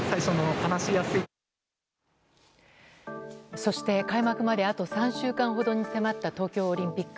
そして、開幕まであと３週間ほどに迫った東京オリンピック。